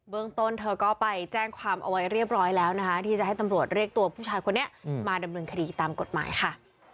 ต้นเธอก็ไปแจ้งความเอาไว้เรียบร้อยแล้วนะคะที่จะให้ตำรวจเรียกตัวผู้ชายคนนี้มาดำเนินคดีตามกฎหมายค่ะ